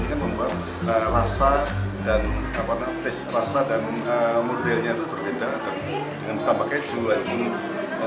ini membuat rasa dan modelnya itu berbeda dengan tambah keju lainnya